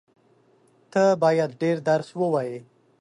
ته بايد ډېر درس ووایې.